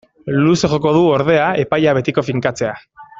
Luze joko du, ordea, epaia betiko finkatzea.